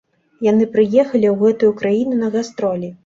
Яны прыехалі ў гэтую краіну на гастролі.